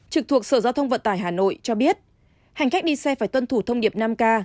trực thuộc sở giao thông vận tải hà nội cho biết hành khách đi xe phải tuân thủ thông điệp năm k